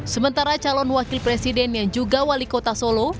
sementara calon wakil presiden yang juga wali kota solo